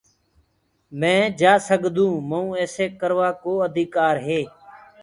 مي جآ سگدونٚ مئونٚ ايسيٚ ڪروآ ڪو اڌيڪآر هي